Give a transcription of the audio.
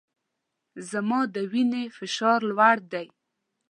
زما د وینې فشار لوړ دی